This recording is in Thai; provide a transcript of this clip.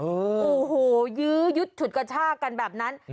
โอ้โหยื้อยุดฉุดกระชากันแบบนั้น